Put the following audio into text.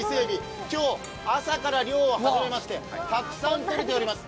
今日朝から漁を始めましてたくさんとれております。